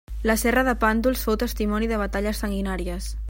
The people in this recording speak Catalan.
La serra de Pàndols fou testimoni de batalles sanguinàries.